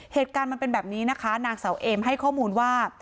เหตุการณ์มันเป็นแบบนี้นะคะนางเสาเอมให้ข้อมูลว่า